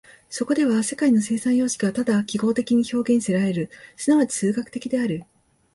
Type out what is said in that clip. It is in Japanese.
そこでは世界の生産様式はただ記号的に表現せられる、即ち数学的である。